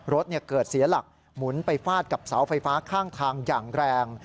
รถเกิดเสียหลักหมุนไปฟาดกับเสาไฟฟ้าข้างทางอย่างแรง